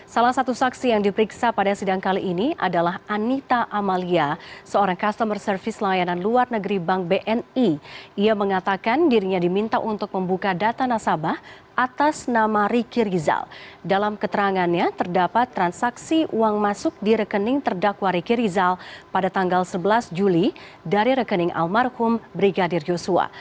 sebelas juli dari rekening almarhum brigadir yosua